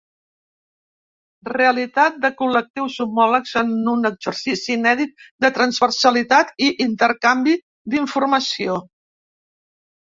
Realitat de col·lectius homòlegs en un exercici inèdit de transversalitat i intercanvi d’informació.